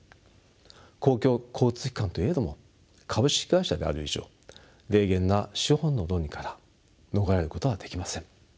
公共交通機関といえども株式会社である以上冷厳な資本の論理から逃れることはできません。